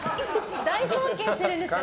大尊敬してるんですから。